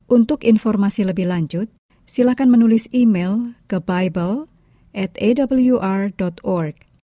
untuk informasi lebih lanjut silakan menulis email ke buible atawr org